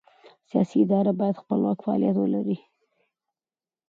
سیاسي ادارې باید خپلواک فعالیت ولري